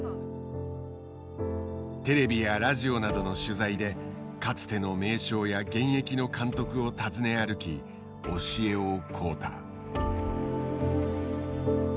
テレビやラジオなどの取材でかつての名将や現役の監督を訪ね歩き教えを請うた。